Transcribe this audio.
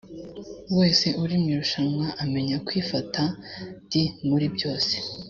wese uri mu irushanwa amenya kwifata d muri byose